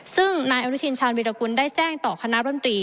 ซึ่งนายอนุทินชาญวิรากุลได้แจ้งต่อคณะรันตรี